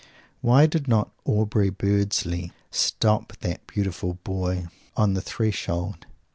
Why did not Aubrey Beardsley stop that beautiful boy on the threshold?